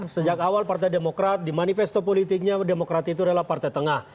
sejak awal partai demokrat di manifesto politiknya demokrat itu adalah partai tengah